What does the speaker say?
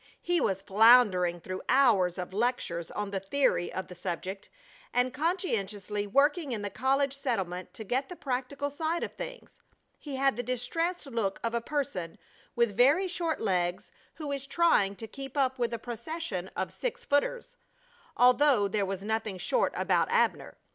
He was floundering through hours of lectures on the theory of the subject, and conscientiously working in the college settlement to get the practical side of things. He had the distressed look of a person with very short legs who is trying to keep up with a procession of six footers, although there was nothing short about Abner.